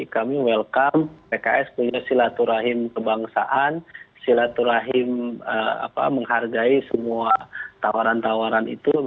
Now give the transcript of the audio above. kami welcome pks punya silaturahim kebangsaan silaturahim menghargai semua tawaran tawaran itu